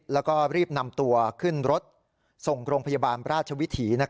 แล้วก็รีบนำตัวขึ้นรถส่งโรงพยาบาลราชวิถี